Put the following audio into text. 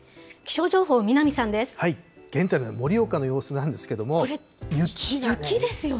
現在の盛岡の様子なんですけこれ、雪ですよね。